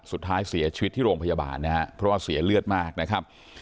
สุดท้ายเสียชีวิตที่โรงพยาบาลนะครับเพราะว่าเสียเลือดมากนะครับ